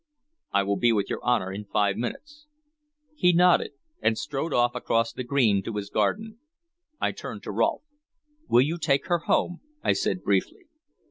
"I will be with your Honor in five minutes." He nodded, and strode off across the green to his garden. I turned to Rolfe. "Will you take her home?" I said briefly.